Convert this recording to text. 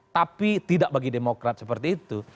tapi tidak bagi demokrat seperti itu